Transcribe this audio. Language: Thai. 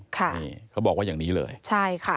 เขาบอกว่าอย่างนี้เลย